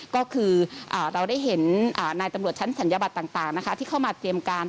ก็คือเราได้เห็นนายตำรวจชั้นศัลยบัตรต่างที่เข้ามาเตรียมการ